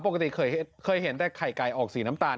ปกติเคยเห็นแต่ไข่ไก่ออกสีน้ำตาล